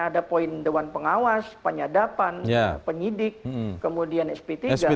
ada poin dewan pengawas penyadapan penyidik kemudian sp tiga